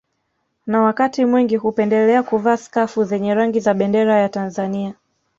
Na wakati mwingi hupendelea kuvaa skafu zenye rangi za bendera ya Tanzania